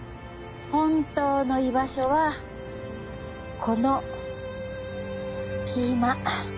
本当の居場所はこの隙間。